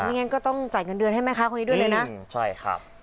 งั้นก็ต้องจ่ายเงินเดือนให้แม่ค้าคนนี้ด้วยเลยนะใช่ครับ